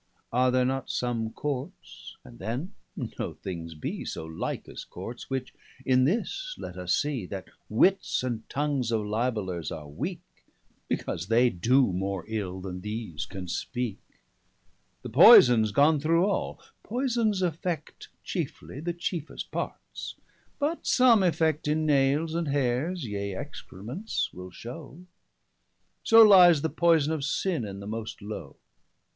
330 Are there not some Courts (and then, no things bee So like as Courts) which, in this let us see, That wits and tongues of Libellers are weake, Because they do more ill, then these can speake? The poyson's gone through all, poysons affect 335 Chiefly the chiefest parts, but some effect In nailes, and haires, yea excrements, will show; So lyes the poyson of sinne in the most low.